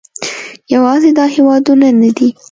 یوازې دا هېوادونه نه دي